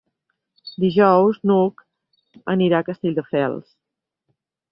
Dijous n'Hug anirà a Castelldefels.